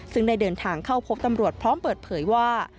ซึ่งได้เดินทางเข้าพบตำรวจพร้อมเปิดเผยว่า